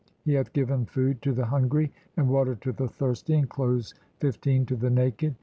He hath given food "to the hungry, and water to the thirsty, and clothes "(15) to the naked.